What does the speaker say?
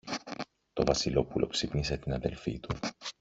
Το Βασιλόπουλο ξύπνησε την αδελφή του.